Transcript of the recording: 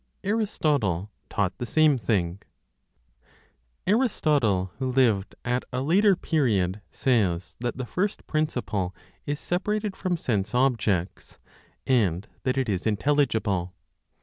ARISTOTLE TAUGHT THE SAME THING. Aristotle, who lived at a later period, says that the First Principle is separated from (sense objects), and that it is intelligible.